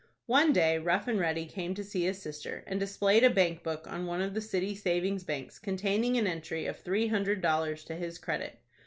One day Rough and Ready came to see his sister, and displayed a bank book on one of the city savings banks, containing an entry of three hundred dollars to his credit.